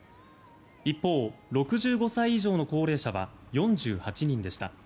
一方、６５歳以上の高齢者は４８人でした。